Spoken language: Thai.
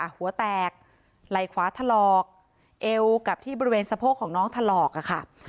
หัวแตกไหล่ขวาถลอกเอวกับที่บริเวณสะโพกของน้องถลอกอะค่ะ